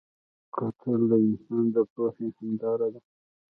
کتل د انسان د پوهې هنداره ده